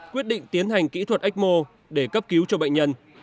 quyết định tiến hành kỹ thuật ecmo để cấp cứu cho bệnh nhân